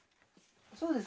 そうです。